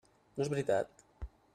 No és veritat?